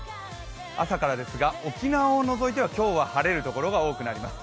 朝から、沖縄を除いては今日は晴れるところが多くなりそうです。